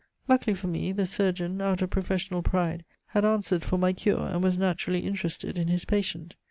Luckily for me, the surgeon, out of professional pride, had answered for my cure, and was naturally interested in his patient.